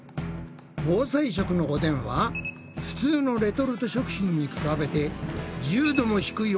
防災食のおでんは普通のレトルト食品に比べて１０度も低い温度で調理していくんだって。